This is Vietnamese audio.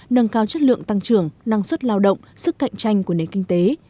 nâng cao chất lượng tăng trưởng năng suất lao động sức cạnh tranh của nền kinh tế